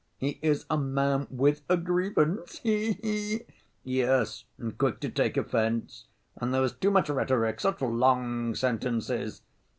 "He is a man with a grievance, he he!" "Yes, and quick to take offense. And there was too much rhetoric, such long sentences."